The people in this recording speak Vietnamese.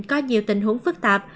có nhiều tình huống phức tạp